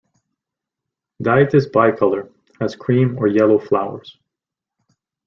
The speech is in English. "Dietes bicolor" has cream or yellow flowers.